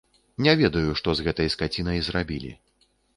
Не ведаю, што з гэтай скацінай зрабілі.